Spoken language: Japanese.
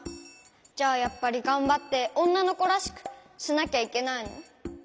じゃあやっぱりがんばって「おんなのこらしく」しなきゃいけないの？